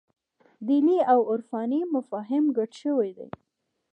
دیني او عرفاني مفاهیم ګډ شوي دي.